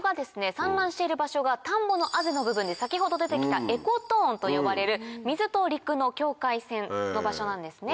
産卵している場所が田んぼのあぜの部分で先ほど出てきたエコトーンと呼ばれる水と陸の境界線の場所なんですね。